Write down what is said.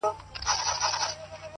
ستا سترگي فلسفې د سقراط راته وايي;